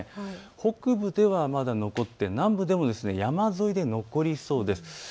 北部ではまだ残って南部でも山沿いで残りそうです。